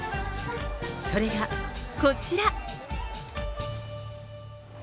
それがこちら。